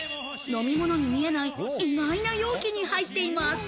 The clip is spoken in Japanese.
飲み物に見えない意外な容器に入っています。